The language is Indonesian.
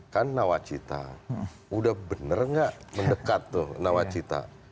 kan nawacita udah bener gak mendekat tuh nawacita